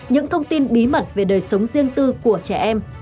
những thông tin bí mật về đời sống riêng tư của trẻ em